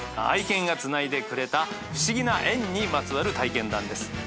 愛犬がつないでくれた不思議な縁にまつわる体験談です。